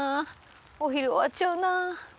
お昼終わっちゃうな。